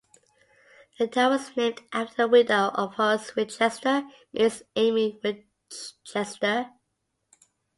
The town was named after the widow of Horace Winchester, Mrs. Amy Winchester.